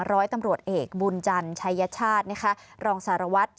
ร้อยตำรวจเอกบุญจันทร์ชายชาตินะคะรองสารวัตร